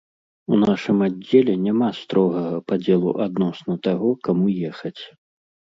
У нашым аддзеле няма строгага падзелу адносна таго, каму ехаць.